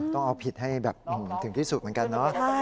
ต้องเอาผิดให้ถึงที่สุดเหมือนกัน